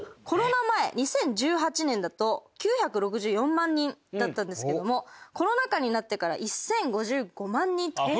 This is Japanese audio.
コロナ前２０１８年だと９６４万人だったんですけどもコロナ禍になってから１０５５万人と。